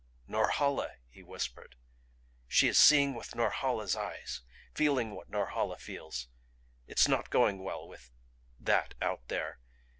"Norhala!" he whispered. "She is seeing with Norhala's eyes feeling what Norhala feels. It's not going well with That out there.